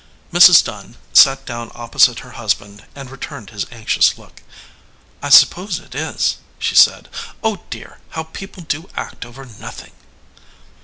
Mrs. Dunn sat down opposite her husband and returned his anxious look. "I suppose it is," she said. "Oh dear! How people do act over nothing!"